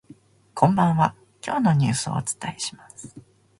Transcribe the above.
こんばんは、今日のニュースをお伝えします。